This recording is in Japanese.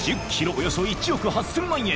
およそ１億８，０００万円